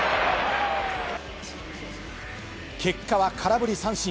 結果は空振り三振。